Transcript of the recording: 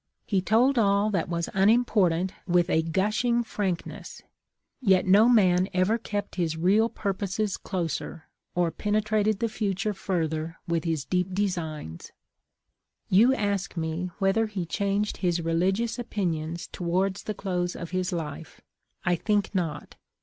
He told all that was unimportant with a gushing frankness, yet no man ever kept his real 538 THE UFE OF LINCOLN: purposes closer, or penetrated the future further with his deep designs. " You ask me whether he changed his religious opinions towards the close of his life. I think not.